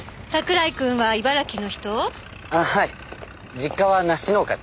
実家は梨農家です。